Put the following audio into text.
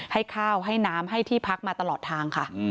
ให้ข้าวให้น้ำให้ที่พักมาตลอดทางค่ะ